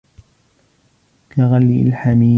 كَغَلْيِ الْحَمِيمِ